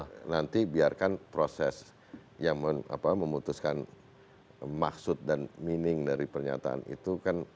nah nanti biarkan proses yang memutuskan maksud dan meaning dari pernyataan itu kan